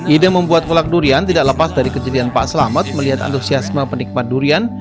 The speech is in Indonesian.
ide membuat kolak durian tidak lepas dari kejadian pak selamet melihat antusiasme penikmat durian